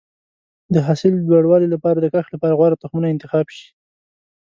د حاصل د لوړوالي لپاره د کښت لپاره غوره تخمونه انتخاب شي.